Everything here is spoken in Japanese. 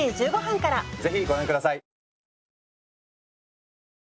ぜひご覧下さい！